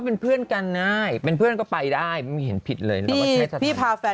ไม่พาคนอื่นไปอะเนาะ